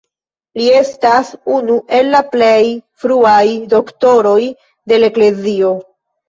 Li estas unu el la plej fruaj Doktoroj de la Eklezio.